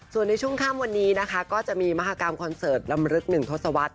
ส่วนในช่วงค่ำวันนี้นะคะก็จะมีมหากรรมคอนเสิร์ตลำลึกหนึ่งทศวรรษ